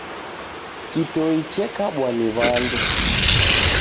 Kitoi chekabwa ni wandu.